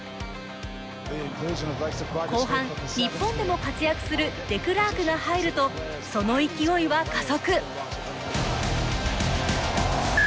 後半、日本でも活躍するデクラークが入るとその勢いは加速。